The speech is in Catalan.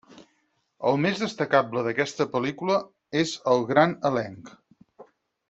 El més destacable d'aquesta pel·lícula és el gran elenc.